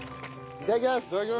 いただきます。